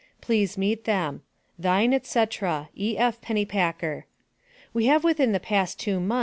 Please meet them. Thine, &c., E.F. PENNYPACKER. We have within the past 2 mos.